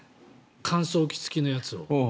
乾燥機付きのやつを。